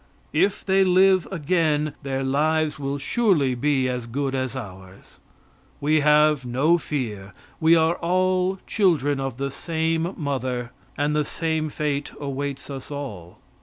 If they live again their lives will surely be as good as ours. We have no fear; we are all children of the same mother and the same fate awaits us all.